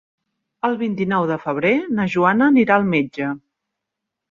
El vint-i-nou de febrer na Joana anirà al metge.